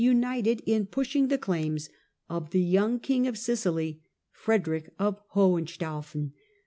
united in pushing the claims of the young King of Sicily, Frederick of Hohenstaufen.